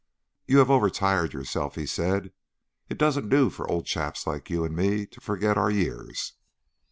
"You have overtired yourself," he said. "It doesn't do for old chaps like you and me to forget our years."